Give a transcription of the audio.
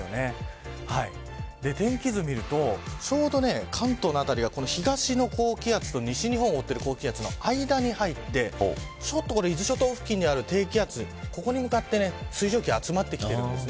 天気図を見るとちょうど関東のあたりが東の高気圧と西日本を覆っている高気圧の間に入って伊豆諸島付近にある低気圧ここに向かって水蒸気が集まってきているんです。